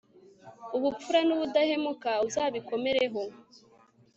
ubupfura n'ubudahemuka uzabikomereho